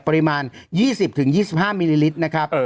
ปริมาณ๒๐๒๕มิลลิลิตรนะครับ